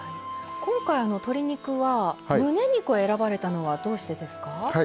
今回鶏肉はむね肉を選ばれたのはどうしてですか？